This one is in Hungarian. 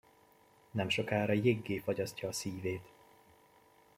Nemsokára jéggé fagyasztja a szívét.